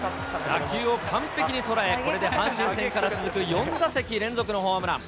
打球を完ぺきにとらえ、これで阪神戦から続く４打席連続のホームラン。